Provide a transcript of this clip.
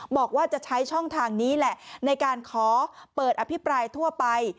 บอกว่าจะใช้ช่องทางนี้แหละในการขอเปิดอภิปรายทั่วไป